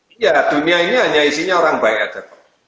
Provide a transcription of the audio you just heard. iya dunia ini hanya isinya orang baik aja pak